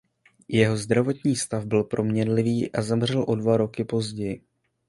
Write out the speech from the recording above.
Jeho zdravotní stav byl proměnlivý a zemřel o dva roky později.